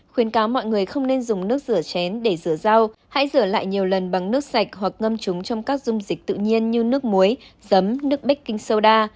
khuyến cáo mọi người không nên dùng nước rửa chén để rửa rau hãy rửa lại nhiều lần bằng nước sạch hoặc ngâm chúng trong các dung dịch tự nhiên như nước muối giấm nước baking soda